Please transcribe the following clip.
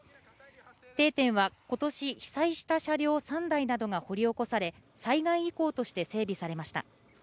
定点は今年被災した車両３台などが掘り起こされ災害遺構として整備されました。